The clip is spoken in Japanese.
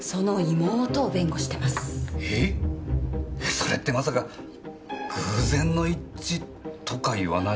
それってまさか偶然の一致とか言わないよな。